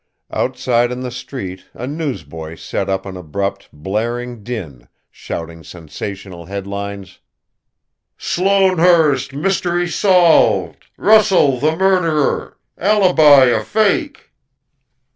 Outside in the street a newsboy set up an abrupt, blaring din, shouting sensational headlines: "SLOANEHURST MYSTERY SOLVED! RUSSELL THE MURDERER! ALIBI A FAKE!"